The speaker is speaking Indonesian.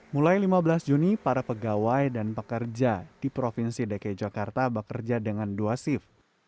mulai lima belas juni para pegawai dan pekerja di provinsi dki jakarta bekerja dengan dua shift